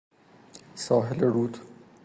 ساحل رود